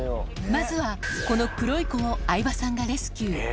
まずはこの黒い子を相葉さんがレスキュー。